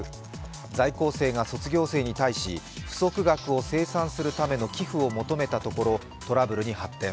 在校生が卒業生に対し、不足額を清算するための寄付を求めたところトラブルに発展。